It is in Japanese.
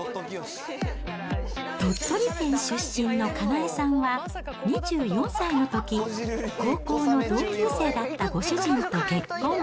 鳥取県出身のかなえさんは、２４歳のとき、高校の同級生だったご主人と結婚。